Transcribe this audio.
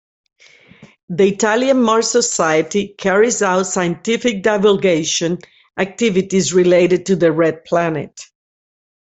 The Italian Mars Society carries out scientific divulgation activities related to the Red Planet.